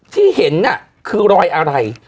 ที่เห็นน่ะคือรอยอะไร